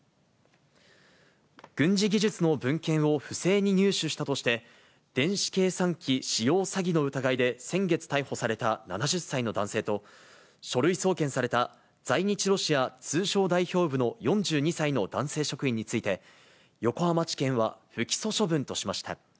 軍事技術の文献を不正に入手したとして、電子計算機使用詐欺の疑いで先月逮捕された７０歳の男性と、書類送検された在日ロシア通商代表部の４２歳の男性職員について、横浜地検は不起訴処分としました。